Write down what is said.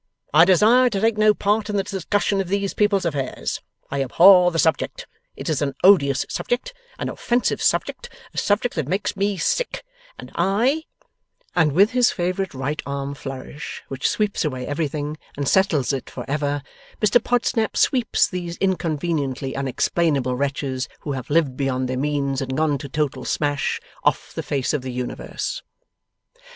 I desire to take no part in the discussion of these people's affairs. I abhor the subject. It is an odious subject, an offensive subject, a subject that makes me sick, and I ' And with his favourite right arm flourish which sweeps away everything and settles it for ever, Mr Podsnap sweeps these inconveniently unexplainable wretches who have lived beyond their means and gone to total smash, off the face of the universe.